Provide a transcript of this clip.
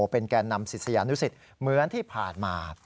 เป็นแก่นำศิษยานุสิตเหมือนที่ผ่านมา